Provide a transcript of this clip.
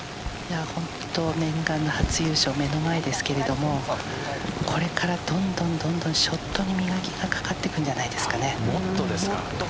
本当、念願の初優勝目の前ですけれどもこれからどんどんどんどんショットに磨きがかかっていくんじゃないですかね。